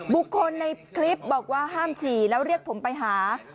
บุคคลในคลิปบอกว่าห้ามฉี่แล้วเรียกผมไปหา